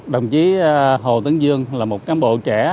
đồng chí hồ tấn dương là một cán bộ trẻ